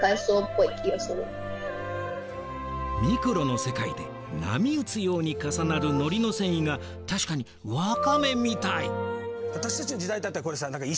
ミクロの世界で波打つように重なるのりの繊維が確かにわかめみたい！